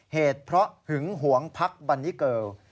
เหตุเพราะหึงหวงพักบันนิเกิล